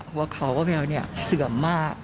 หัวข่าวป้าแมวเนี่ยเสื่อมมาก